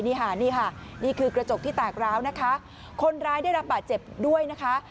นี่ค่ะนี่ค่ะนี่คือกระจกที่แตกร้าวนะคะคนร้ายได้รับบาดเจ็บด้วยนะคะ